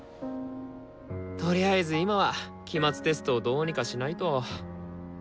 とりあえず今は期末テストをどうにかしないと。